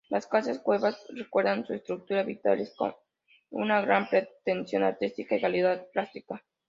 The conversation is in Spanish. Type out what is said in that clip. Las casas-cueva recuerdan a estructuras habitables con una gran pretensión artística y calidad plástica.